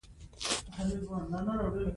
خپل مسوولیت په پوره غور سره ترسره کړئ.